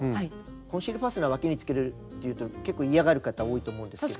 コンシールファスナーをわきにつけるというと結構嫌がる方多いと思うんですけどね。